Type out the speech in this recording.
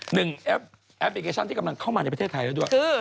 แอปพลิเคชันที่กำลังเข้ามาในประเทศไทยแล้วด้วย